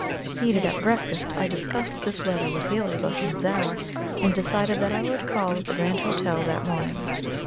Seated at breakfast, I discussed this letter with Heliobas and Zara, and decided that I would call at the Grand Hotel that morning.